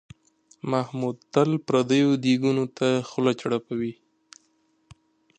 محمود تل پردیو دیګونو ته خوله چړپوي.